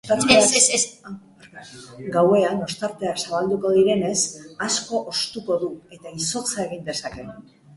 Gauean ostarteak zabalduko direnez, asko hoztuko du eta izotza egin dezake.